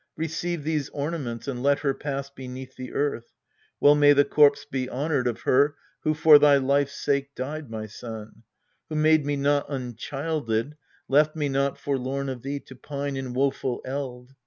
Receive these ornaments, and let her pass Beneath the earth : well may the corpse be honoured Of her who for thy life's sake died, my son ; Who made me not unchilded, left me not Forlorn of thee to pine in woeful eld.